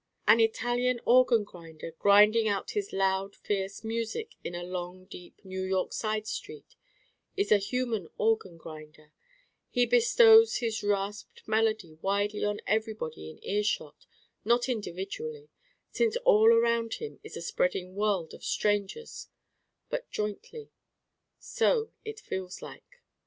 An Italian organ grinder grinding out his loud fierce music in a long deep New York side street is a human organ grinder: he bestows his rasped melody widely on everybody in ear shot, not individually since all around him is a spreading world of strangers but jointly. So it feels like.